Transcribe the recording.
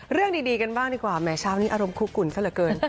เรื่องดีกันบ้างดีกว่าแหมเช้านี้อารมณ์คุกกุ่นซะเหลือเกิน